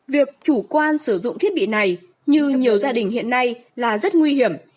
việc chủ quan sử dụng thiết bị này như nhiều gia đình hiện nay là rất nguy hiểm